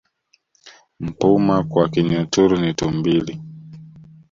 Mpuma kwa Kinyaturu ni tumbili